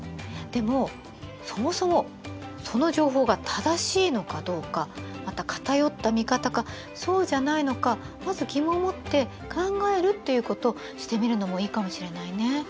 でもそもそもその情報が正しいのかどうかまた偏った見方かそうじゃないのかまず疑問を持って考えるっていうことしてみるのもいいかもしれないね。